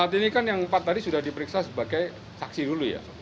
saat ini kan yang empat tadi sudah diperiksa sebagai saksi dulu ya